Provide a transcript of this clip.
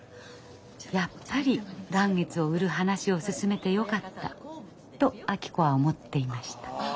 やっぱり嵐月を売る話を進めてよかったと明子は思っていました。